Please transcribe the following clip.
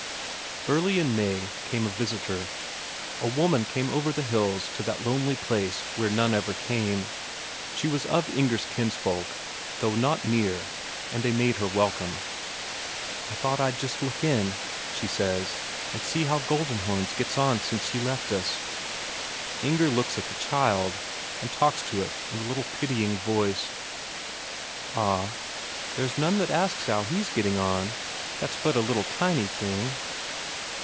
Early in May came a visitor. A woman came over the hills to that lonely place where none ever came; she was of Inger's kinsfolk, though not near, and they made her welcome. "I thought I'd just look in," she says, "and see how Goldenhorns gets on since she left us." Inger looks at the child, and talks to it in a little pitying voice: "Ah, there's none asks how he's getting on, that's but a little tiny thing."